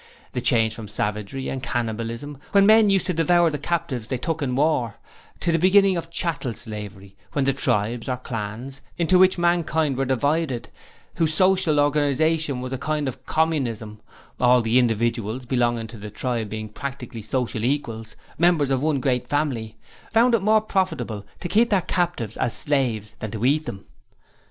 The change from savagery and cannibalism when men used to devour the captives they took in war to the beginning of chattel slavery, when the tribes or clans into which mankind were divided whose social organization was a kind of Communism, all the individuals belonging to the tribe being practically social equals, members of one great family found it more profitable to keep their captives as slaves than to eat them.